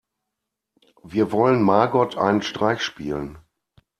Wir wollen Margot einen Streich spielen.